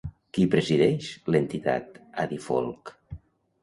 Qui presideix l'entitat Adifolk?